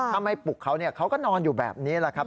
ถ้าไม่ปลุกเขาเขาก็นอนอยู่แบบนี้แหละครับ